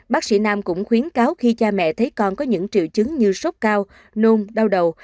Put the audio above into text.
bác sĩ nam cũng khuyến cáo khi cha mẹ thấy con có những triệu chứng như sốt cao nôn đau đầu